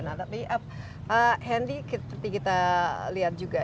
nah tapi handy seperti kita lihat juga